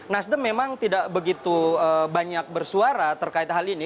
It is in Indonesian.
nasdem memang tidak begitu banyak bersuara terkait hal ini